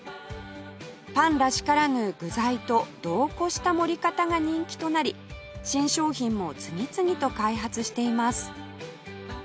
パンらしからぬ具材と度を超した盛り方が人気となり新商品も次々と開発しています